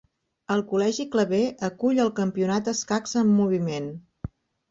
El Col·legi Claver acull el campionat 'Escacs en moviment'.